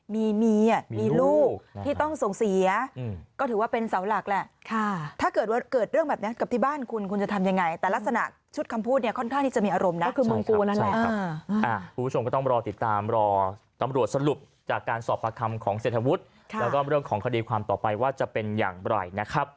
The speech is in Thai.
พูดถึงคุณแจ๊ะฝากผ่านถึงฝั่งคุณแจ๊ะนี่